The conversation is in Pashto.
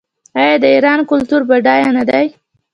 آیا د ایران کلتور بډایه نه دی؟